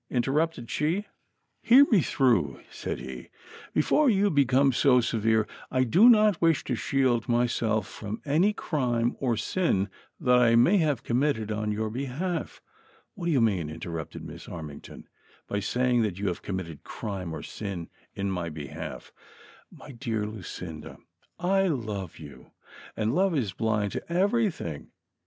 interrupted vShe. THE CONSPIRATORS AND LOVERS. 103 "Hear me through," said he, "before you become so severe ; I do not wish to shield myself from any crime or sin that I may have committed on your behalf "— "What do you mean," interrupted Miss Armington, "by saying that you have committed crime or sin in my behalf V "" My dear Lucinda, I love you, and love is blind to every thing.